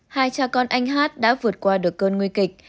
hai cha con anh hát đã vượt qua được cơn nguy kịch